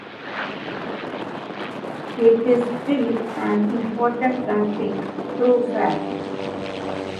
It is still an important traffic thoroughfare.